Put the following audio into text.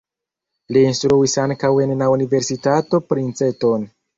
Li instruis ankaŭ en la Universitato Princeton.